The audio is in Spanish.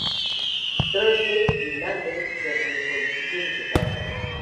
Thursday y Landen se reconcilian y se casan.